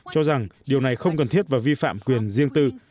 cho rằng điều này không cần thiết và vi phạm quyền riêng tư